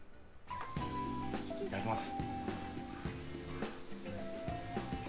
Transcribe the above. いただきます。